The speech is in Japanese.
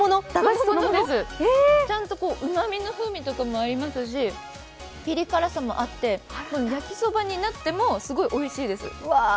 ちゃんとうまみの風味とかもありますし、ピリ辛さもあって焼きそばになっても、すごいおいしいです。